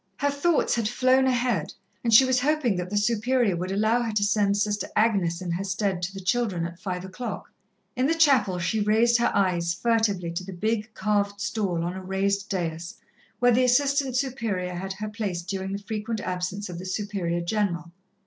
Her thoughts had flown ahead, and she was hoping that the Superior would allow her to send Sister Agnes in her stead to the children at five o'clock. In the chapel, she raised her eyes furtively to the big, carved stall on a raised daïs where the Assistant Superior had her place during the frequent absence of the Superior General.